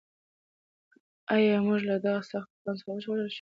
ایا موږ له دغه سخت طوفان څخه وژغورل شوو؟